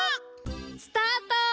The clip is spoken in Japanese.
スタート！